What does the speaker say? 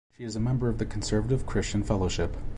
She is a member of the Conservative Christian Fellowship.